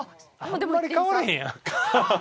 あんまり変われへんやん。